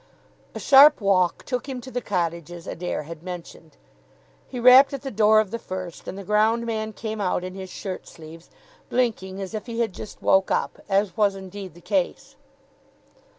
A sharp walk took him to the cottages Adair had mentioned. He rapped at the door of the first, and the ground man came out in his shirt sleeves, blinking as if he had just woke up, as was indeed the case.